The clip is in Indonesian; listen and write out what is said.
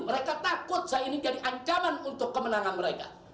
mereka takut saya ini jadi ancaman untuk kemenangan mereka